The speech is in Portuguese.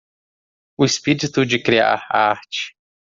O espírito de criar arte